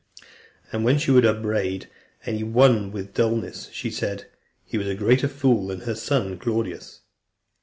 And when she would upbraid any one with dulness, she said, "He was a greater fool than her son, Claudius."